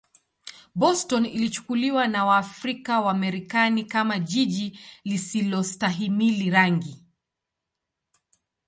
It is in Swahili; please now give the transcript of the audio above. Boston ilichukuliwa na Waafrika-Wamarekani kama jiji lisilostahimili rangi.